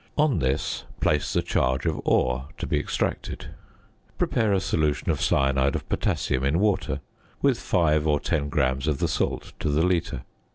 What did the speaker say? On this, place the charge of ore to be extracted. Prepare a solution of cyanide of potassium in water, with 5 or 10 grams of the salt to the litre.